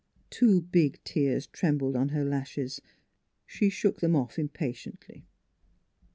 Two big tears trembled on her lashes; she shook them off impatiently.